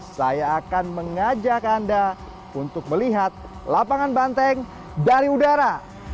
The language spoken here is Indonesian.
saya akan mengajak anda untuk melihat lapangan banteng dari udara